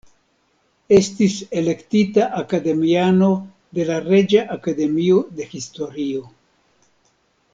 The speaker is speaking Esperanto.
Estis elektita akademiano de la Reĝa Akademio de Historio.